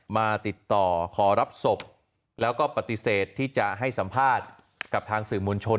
มาติดต่อขอรับศพแล้วก็ปฏิเสธที่จะให้สัมภาษณ์กับทางสื่อมวลชน